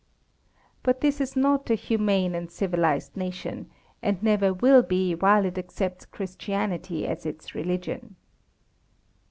But this is not a humane and civilised nation, and never will be while it accepts Christianity as its religion.